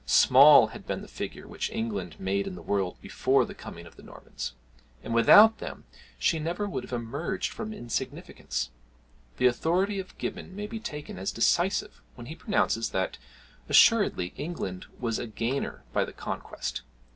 Small had been the figure which England made in the world before the coming over of the Normans; and without them she never would have emerged from insignificance. The authority of Gibbon may be taken as decisive when he pronounces that, "Assuredly England was a gainer by the Conquest."